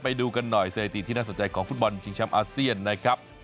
ไปดูกันหน่อยสถิติที่น่าสนใจของฟุตบอลชิงแชมป์อาเซียนนะครับ